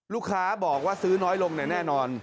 ลูกค้าบอกว่าซื้อน้อยลงแน่นอน